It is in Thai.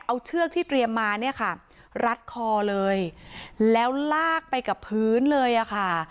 เอาเชือกที่เตรียมมาเนี่ยค่ะรัดคอเลยแล้วลากไปกับพื้นเลยอะค่ะ